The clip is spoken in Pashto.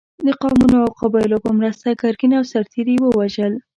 د قومونو او قبایلو په مرسته ګرګین او سرتېري یې ووژل.